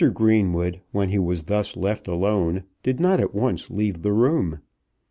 Greenwood, when he was thus left alone, did not at once leave the room.